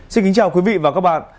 xin kính chào quý vị và các bạn